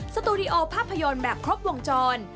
สตูดิโอภาพยนตร์แบบครบวงจร